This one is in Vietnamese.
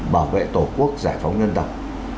bảo vệ tổ quốc giải phóng dân tộc